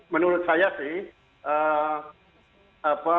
menurut saya sih